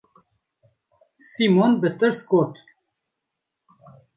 Sîmon bi tirs got: